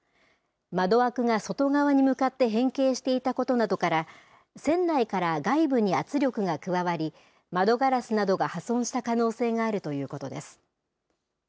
窓枠が外側に向かって変形していたことなどから、船内から外部に圧力が加わり、窓ガラスなどが破損した可能性があるということです。